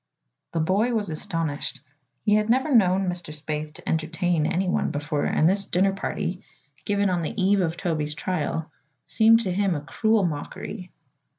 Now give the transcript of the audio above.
The boy was astonished. He had never known Mr. Spaythe to entertain anyone before and this dinner party, given on the eve of Toby's trial, seemed to him a cruel mockery.